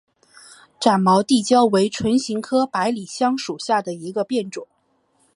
展毛地椒为唇形科百里香属下的一个变种。